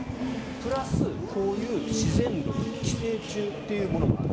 プラス、こういう自然毒寄生虫というものもある。